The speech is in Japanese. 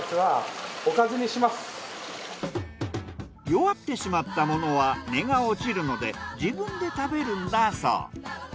弱ってしまったものは値が落ちるので自分で食べるんだそう。